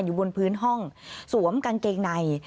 อยู่บนพื้นห้องสวมกางเกงใน